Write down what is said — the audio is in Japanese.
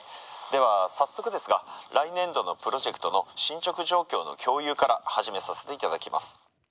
では早速ですが来年度のプロジェクトの進捗状況の共有から始めさせていただきます。